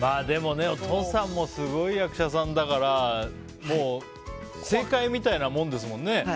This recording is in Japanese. でもね、お父さんもすごい役者さんだから正解みたいなものですもんね。